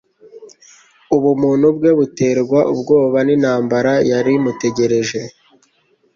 Ubumuntu bwe buterwa ubwoba n’intambara yari imutegereje.